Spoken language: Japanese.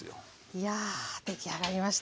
いや出来上がりました。